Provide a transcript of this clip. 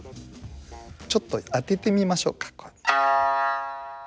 ちょっと当ててみましょうか。